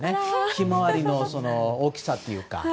ヒマワリの大きさというか。